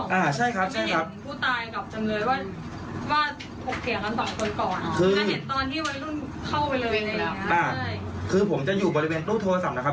เลยครับอ่าคือผมจะอยู่บริเวณรูปโทรศัพท์นะครับ